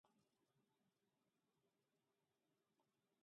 Memòria de gall.